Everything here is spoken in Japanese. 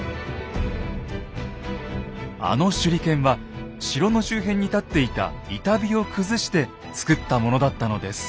あの手裏剣は城の周辺に立っていた板碑を崩して作ったものだったのです。